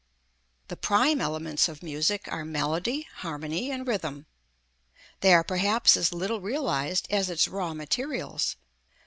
The prime elements of music are Melody, Harmony and Rhythm. They are perhaps as little realized as its raw materials.